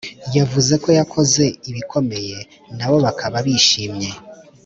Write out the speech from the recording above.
yavuze ko yakoze ibikomeye nabo bakaba bishimye